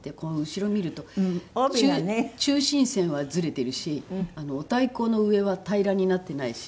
後ろ見ると中心線はずれてるしお太鼓の上は平らになってないし。